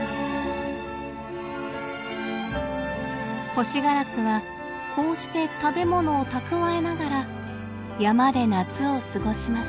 ホシガラスはこうして食べ物を蓄えながら山で夏を過ごします。